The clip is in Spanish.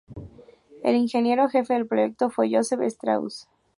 El ingeniero jefe del proyecto fue Joseph Strauss.